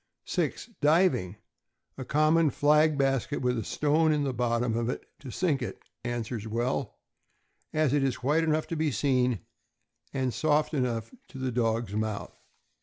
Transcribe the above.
6. Diving. A common flag basket, with a stone in the bottom of it to sink it, answers well, as it is white enough to be seen and soft enough to the dog's mouth.